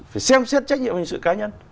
phải xem xét trách nhiệm hình sự cá nhân